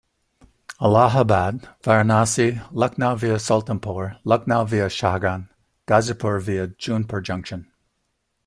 Allahababd, Varanasi, Lucknow Via Sultanpur, Lucknow via Shahgan, Ghazipur via Jaunpur junction.